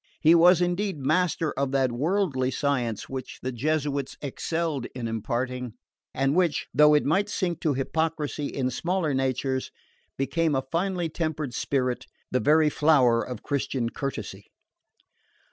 He was indeed master of that worldly science which the Jesuits excelled in imparting, and which, though it might sink to hypocrisy in smaller natures, became in a finely tempered spirit, the very flower of Christian courtesy.